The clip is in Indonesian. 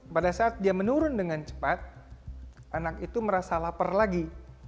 pada saat dia menurun dengan cepat anak itu merasa lapar lagi